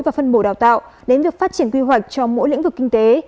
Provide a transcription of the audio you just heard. và phân bổ đào tạo đến việc phát triển quy hoạch cho mỗi lĩnh vực kinh tế